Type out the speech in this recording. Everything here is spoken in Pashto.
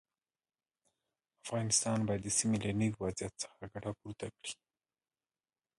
افغانستان باید د سیمې له نوي وضعیت څخه ګټه پورته کړي.